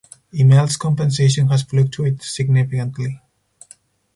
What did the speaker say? Immelt's compensation has fluctuated significantly.